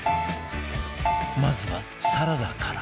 まずはサラダから